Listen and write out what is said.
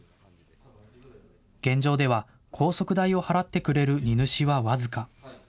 現状では、高速代を払ってくれる荷主は僅か。